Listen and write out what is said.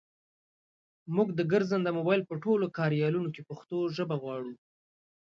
مونږ د ګرځنده مبایل په ټولو کاریالونو کې پښتو ژبه غواړو.